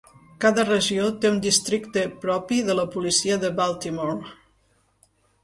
Cada regió té un districte propi de la policia de Baltimore.